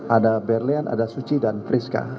ada berlian ada suci dan priska